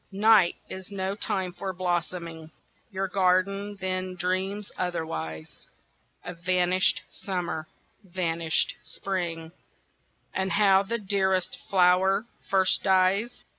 Night is no time for blossoming, Your garden then dreams otherwise, Of vanished Summer, vanished Spring, And how the dearest flower first dies.